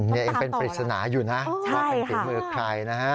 นี่ยังเป็นปริศนาอยู่นะว่าเป็นฝีมือใครนะฮะ